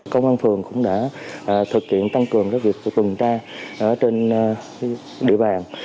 công an phường cũng đã thực hiện tăng cường các việc của chúng ta trên địa bàn